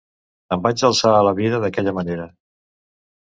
Em vaig alçar a la vida d'aquella manera.